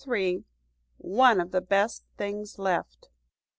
"ONE OF THE BEST THINGS LEFT."